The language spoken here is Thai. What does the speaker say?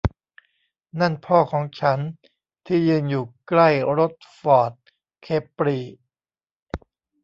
นั่นพ่อของฉันที่ยืนอยู่ใกล้รถฟอร์ดเคปรี